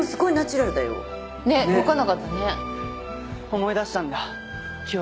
思い出したんだ記憶。